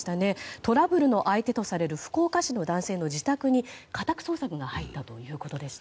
トラブルの相手とされる福岡市の男性の自宅に家宅捜索が入ったということでした。